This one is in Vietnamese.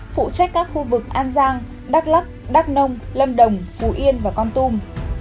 phụ trách các khu vực an giang đắk lắc đắk nông lâm đồng phú yên và con tum